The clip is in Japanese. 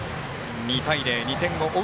２対０、２点を追う